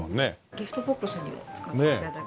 ギフトボックスにも使って頂けます。